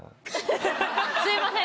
すいません